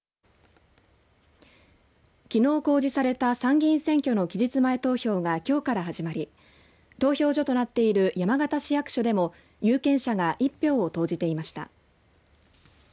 きのう公示された参議院選挙の期日前投票がきょうから始まり投票所となっている山形市役所でも有権者が１票を投じていました。